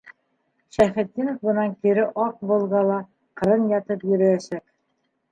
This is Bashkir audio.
Шәйхетдинов бынан кире аҡ «Волга»ла ҡырын ятып йөрөйәсәк.